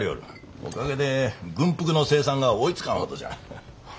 おかげで軍服の生産が追いつかんほどじゃ。